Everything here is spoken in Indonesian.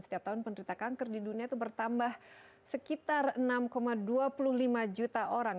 setiap tahun penderita kanker di dunia itu bertambah sekitar enam dua puluh lima juta orang